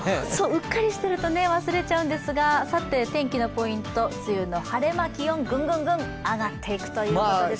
うっかりしてると忘れちゃうんですが、天気のポイント、梅雨の晴れ間、気温、ぐんぐんぐん上がっていくということですね。